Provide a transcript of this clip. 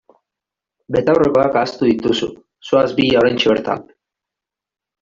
Betaurrekoak ahaztu dituzu, zoaz bila oraintxe bertan!